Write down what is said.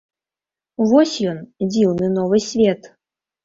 Вось ён, дзіўны новы свет!